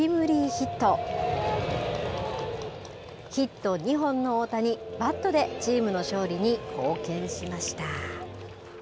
ヒット２本の大谷、バットでチームの勝利に貢献しました。